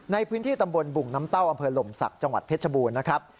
ในพื้นที่ตำบลบุ่งน้ำเต้าอำเภอหลมศักดิ์จังหวัดเพชรบูรณ์นะครับ